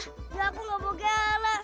ya aku nggak bogele